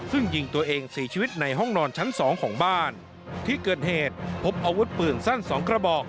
ซึ่งยิงตัวเองเสียชีวิตในห้องนอนชั้นสองของบ้านที่เกิดเหตุพบอาวุธปืนสั้นสองกระบอก